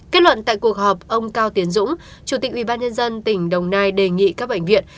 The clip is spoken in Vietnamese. kết luận tại cuộc họp ông cao tiến dũng chủ tịch ubnd tỉnh đồng nai đề nghị các bệnh viện